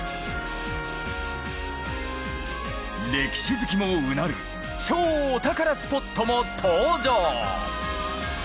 歴史好きもうなる超お宝スポットも登場！